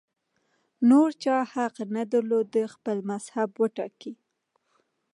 نور چا حق نه درلود خپل مذهب وټاکي